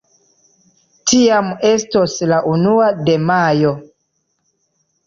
Tiam estos la unua de Majo.